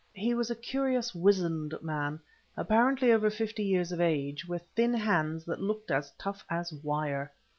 He was a curious wizened man, apparently over fifty years of age, with thin hands that looked as tough as wire.